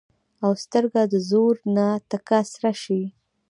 او سترګه د زور نه تکه سره شي